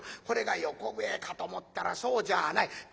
これが横笛かと思ったらそうじゃあない。